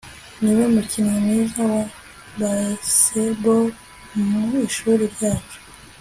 niwe mukinnyi mwiza wa baseball mu ishuri ryacu